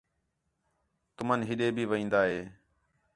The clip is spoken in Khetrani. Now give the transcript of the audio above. تُمن ہِݙٖے بھی وین٘دا ہِے